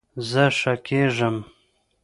زه ښه کیږم